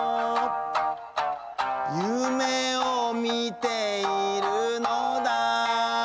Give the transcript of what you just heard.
「ゆめをみてゐるのだ」